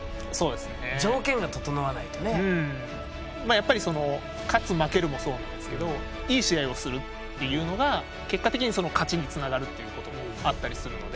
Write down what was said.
やっぱり勝つ負けるもそうなんですけどいい試合をするっていうのが結果的に勝ちにつながるっていうこともあったりするので。